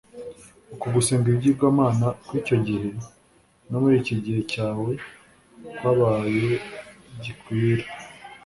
Uko gusenga ibigirwamana kw'icyo gihe no muri iki gihe cyawe kwabaye gikwira.